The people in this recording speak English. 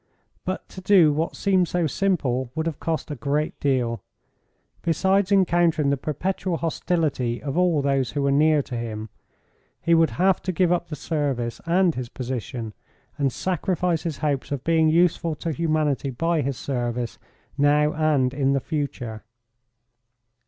But to do what seemed so simple would have cost a great deal. Besides encountering the perpetual hostility of all those who were near to him, he would have to give up the service and his position, and sacrifice his hopes of being useful to humanity by his service, now and in the future.